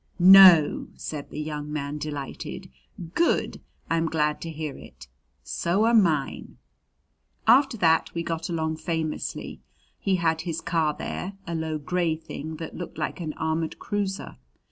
"No!" said the young man, delighted. "Good! I'm glad to hear it. So are mine!" After that we got along famously. He had his car there a low gray thing that looked like an armored cruiser.